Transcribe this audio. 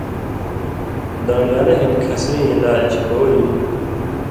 دان٘ڑیالہ ہِن کھسریں علاج ہو یی؟